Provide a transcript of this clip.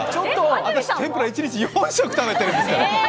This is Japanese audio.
私、天ぷら、一日４食食べてるんですよ。